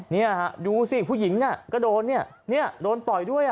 นี่ดูสิผู้หญิงกระโดดโดนต่อยด้วย